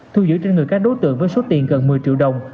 thu giữ trên người các đối tượng với số tiền gần một mươi triệu đồng